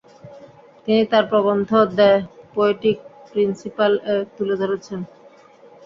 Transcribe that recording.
তিনি তাঁর প্রবন্ধ “দ্যা পোয়েটিক প্রিন্সিপাল” এ তুলে ধরেছিলেন।